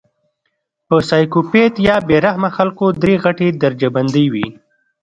پۀ سايکو پېت يا بې رحمه خلکو درې غټې درجه بندۍ وي